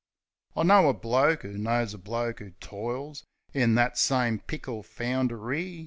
I know a bloke 'oo knows a bloke 'oo toils In that same pickle found ery.